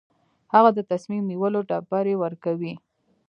هغه د تصمیم نیولو ډبرې ورکوي.